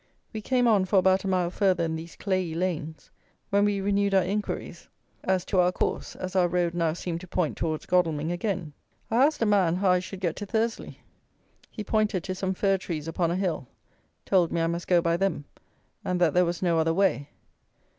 We came on for about a mile further in these clayey lanes, when we renewed our inquiries as to our course, as our road now seemed to point towards Godalming again. I asked a man how I should get to Thursley? He pointed to some fir trees upon a hill, told me I must go by them, and that there was no other way.